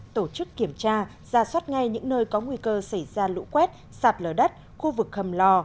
tổ chức kiểm tra ra soát ngay những nơi có nguy cơ xảy ra lũ quét sạt lở đất khu vực hầm lò